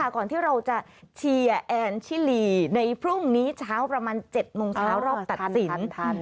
ก่อนที่เราจะเชียร์แอนชิลีในพรุ่งนี้เช้าประมาณ๗โมงเช้ารอบตัดสิน